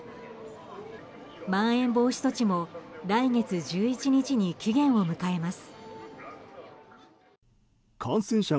まん延防止措置も来月１１日に期限を迎えます。